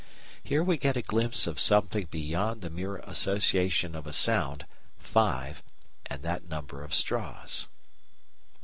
Here we get a glimpse of something beyond the mere association of a sound "Five" and that number of straws.